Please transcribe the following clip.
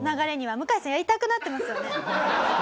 向井さんやりたくなってますよね？